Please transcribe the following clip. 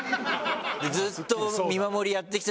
ずっと。